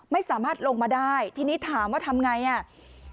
ไม่สามารถลงมาได้ทีนี้ถามว่าทำไงอ่ะ